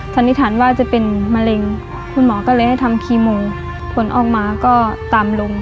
สันนิษฐานว่าจะเป็นมะเร็งคุณหมอก็เลยให้ทำคีโมผลออกมาก็ต่ำลง